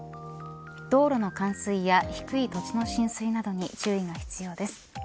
道路の冠水や低い土地の浸水などに注意が必要です。